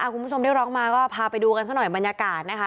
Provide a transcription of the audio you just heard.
คุณผู้ชมได้ร้องมาก็พาไปดูกันซะหน่อยบรรยากาศนะคะ